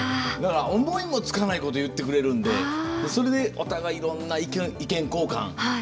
だから思いもつかないこと言ってくれるんでそれで、お互いいろんな意見交換。